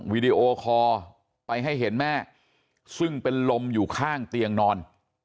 วิดีโอคอร์ไปให้เห็นแม่ซึ่งเป็นลมอยู่ข้างเตียงนอน